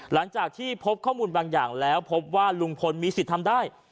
หลังจากที่พบข้อมูลบางอย่างแล้วพบว่าลุงพลมีสิทธิ์ทำได้